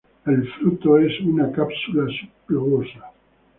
Es fruto es una cápsula, subglobosa.